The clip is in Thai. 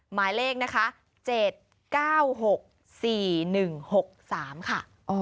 หมายเลขนะคะ๗๙๖๔๑๖๓ค่ะ